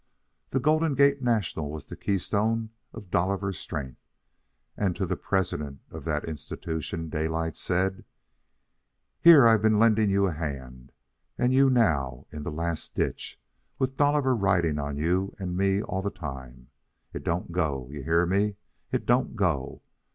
The Golden Gate National was the keystone of Dolliver's strength, and to the president of that institution Daylight said: "Here I've been lending you a hand, and you now in the last ditch, with Dolliver riding on you and me all the time. It don't go. You hear me, it don't go.